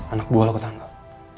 anak buah lo ketanggal